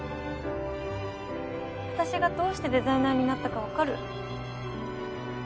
私がどうしてデザイナーになったかわかる？